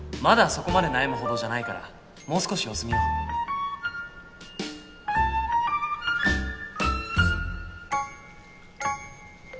まだそこまで悩むほどじゃないからもう少し様子見よう。